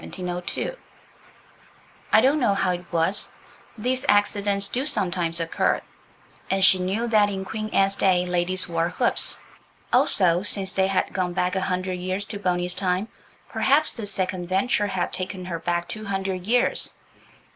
I don't know how it was. These accidents do sometimes occur. And she knew that in Queen Anne's day ladies wore hoops. Also, since they had gone back a hundred years to Boney's time, perhaps this second venture had taken her back two hundred years.